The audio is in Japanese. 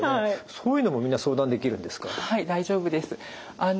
そういうのもみんな相談できるんですか？